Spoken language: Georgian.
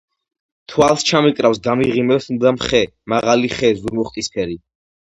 თვალს ჩამიკრავს გამიღიმებს მუდამ ხე მაღალი ხე ზურმუხტისფერი